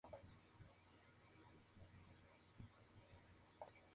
Ferus vuelve al Templo Jedi donde cree que Darth Vader tiene planeada una alternativa.